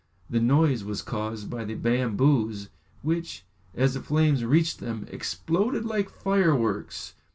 The noise was caused, by the bamboos, which, as the flames reached them, exploded like fireworks.